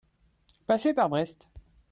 passer par Brest.